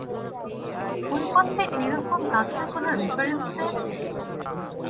বইপত্রে এ রকম গাছের কোনো রেফারেন্স পেয়েছেন?